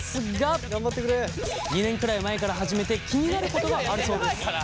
２年くらい前から始めて気になることがあるそうです。